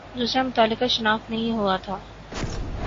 دوسرا متعلقہ شناخت نہیں ہوا تھا